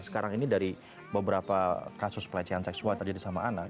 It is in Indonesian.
sekarang ini dari beberapa kasus pelecehan seksual terjadi sama anak